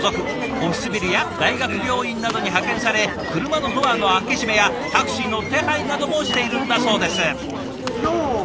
オフィスビルや大学病院などに派遣され車のドアの開け閉めやタクシーの手配などもしているんだそうです。